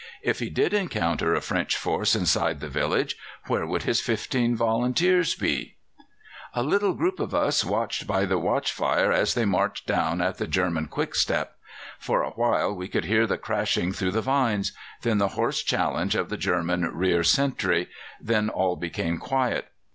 If he did encounter a French force inside the village, where would his fifteen volunteers be? "A little group of us watched by the watch fire as they marched down at the German quick step. For a while we could hear the crashing through the vines, then the hoarse challenge of the German rear sentry; then all became quiet.